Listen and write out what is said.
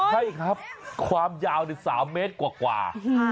ใช่ครับความยาว๓เมตรกว่า